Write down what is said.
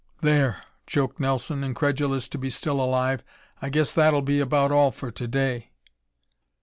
"There," choked Nelson, incredulous to be still alive, "I guess that'll be about all for to day."